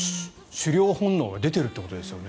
狩猟本能が出ているということですよね。